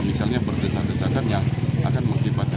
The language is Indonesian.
misalnya berdesak desakan yang akan mengakibatkan